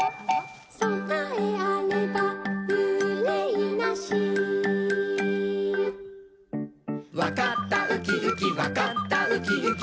「そなえあればうれいなし」「わかったウキウキわかったウキウキ」